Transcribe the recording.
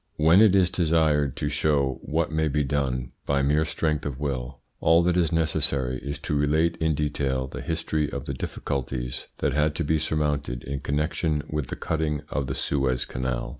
When it is desired to show what may be done by mere strength of will, all that is necessary is to relate in detail the history of the difficulties that had to be surmounted in connection with the cutting of the Suez Canal.